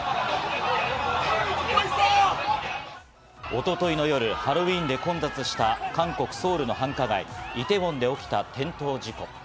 一昨日の夜、ハロウィーンで混雑した韓国ソウルの繁華街イテウォンで起きた転倒事故。